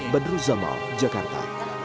badruz zammal jakarta